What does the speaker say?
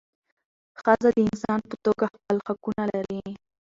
ښځه د انسان په توګه خپل حقونه لري .